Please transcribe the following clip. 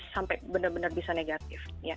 sampai benar benar bisa negatif